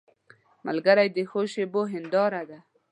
ملګری د ښو شېبو هنداره ده